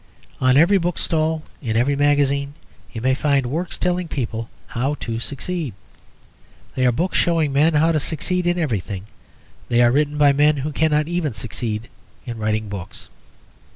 On every bookstall, in every magazine, you may find works telling people how to succeed. They are books showing men how to succeed in everything; they are written by men who cannot even succeed in writing books.